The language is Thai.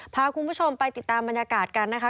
พาคุณผู้ชมไปติดตามบรรยากาศกันนะคะ